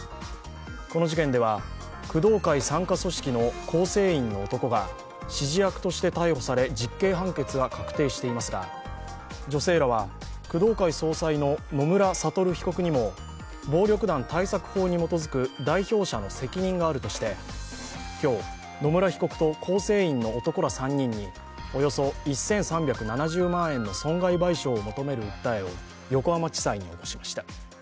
この事件では工藤会傘下組織の構成員の男が指示役として逮捕され実刑判決が確定していますが女性らは、工藤会総裁の野村悟被告にも暴力団対策法に基づく代表者の責任があるとして、今日、野村被告と構成員の男ら３人におよそ１３７０万円の損害賠償を求める訴えを横浜地裁に起こしました。